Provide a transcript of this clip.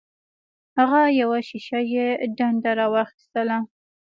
هغه یوه شیشه یي ډنډه راواخیسته.